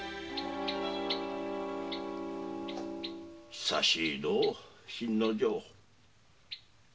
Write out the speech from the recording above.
久しいのう信之丞。